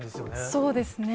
そうですね。